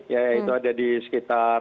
ya itu ada di sekitar